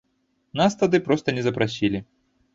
Нас тады проста не запрасілі.